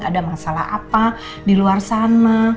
ada masalah apa di luar sana